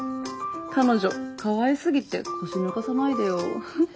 彼女かわいすぎて腰抜かさないでよ。